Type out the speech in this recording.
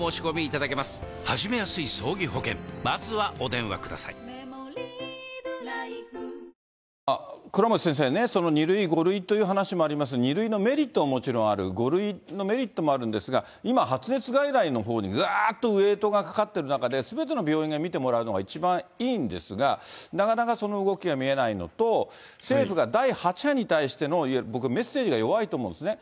なんとなくお医者さんの判断なんで、お医者さんが結構、コロナをたくさん書いてれば、倉持先生ね、２類、５類という話もあります、２類のメリットももちろんある、５類のメリットもあるんですが、今、発熱外来のほうに、がーっとウエートがかかっている中で、すべての病院で診てもらえるのが一番いいんですが、なかなかその動きが見えないのと、政府が第８波に対しての、僕、メッセージが弱いと思うんですね。